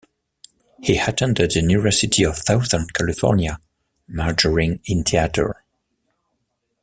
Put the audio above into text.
He attended the University of Southern California, majoring in theater.